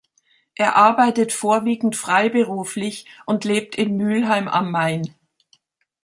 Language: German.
Er arbeitet vorwiegend freiberuflich und lebt in Mühlheim am Main.